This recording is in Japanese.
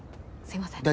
すみません。